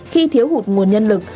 khi thiếu hụt nguồn nhân lực